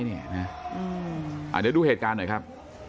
เดี๋ยวดูเหตุการณ์หน่อยครับ